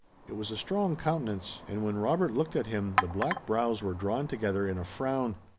It was a strong countenance and, when Robert looked at him, the black brows were drawn together in a frown.